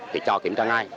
thì cho kiểm tra ngay